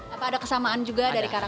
apa ada kesamaan juga dari karakter